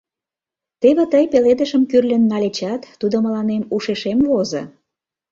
Теве тый пеледышым кӱрлын нальычат, тудо мыланем ушешем возо...